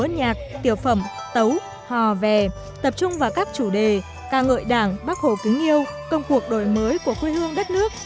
nhạc tiểu phẩm tấu hò vè tập trung vào các chủ đề ca ngợi đảng bác hồ kính yêu công cuộc đổi mới của quê hương đất nước